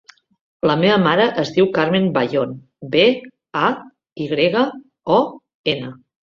La meva mare es diu Carmen Bayon: be, a, i grega, o, ena.